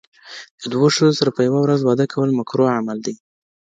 د دوو ښځو سره په يوه ورځ واده کول مکروه عمل دی.